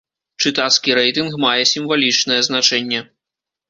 Чытацкі рэйтынг мае сімвалічнае значэнне.